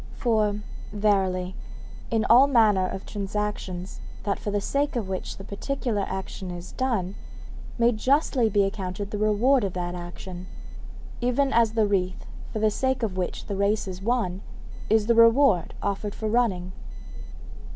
For, verily, in all manner of transactions that for the sake of which the particular action is done may justly be accounted the reward of that action, even as the wreath for the sake of which the race is run is the reward offered for running.